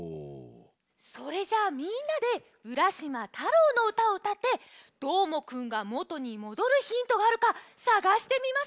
それじゃあみんなで「浦島太郎」のうたをうたってどーもくんがもとにもどるヒントがあるかさがしてみましょう！